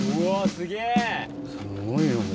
すごいね。